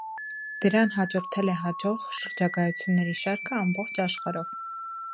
Դրան հաջորդել է հաջող շրջագայությունների շարքը ամբողջ աշխարհով։